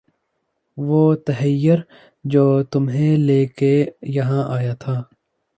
وُہ تحیّر جو تُمھیں لے کے یہاں آیا تھا